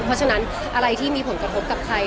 เพราะฉะนั้นอะไรที่มีผลกระทบกับใคร